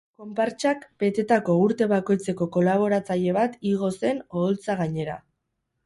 Konpartsak betetako urte bakoitzeko kolaboratzaile bat igo zen oholtza gainera.